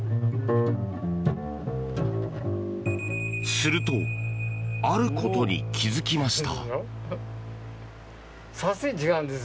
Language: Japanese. すると、あることに気づきました。